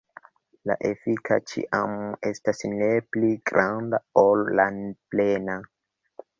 La efika ĉiam estas ne pli granda ol la plena.